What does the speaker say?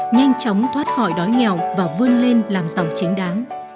nhanh chóng thoát khỏi đói nghèo và vươn lên làm giàu chính đáng